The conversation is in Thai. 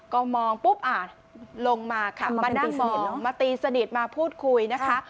ก็มองปุ๊บอ่ะลงมาค่ะมานั่งสนิทมาตีสนิทมาพูดคุยนะคะ